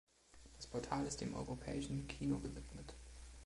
Das Portal ist dem europäischen Kino gewidmet.